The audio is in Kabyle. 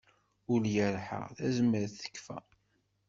Ul irḥa tazmert tekfa.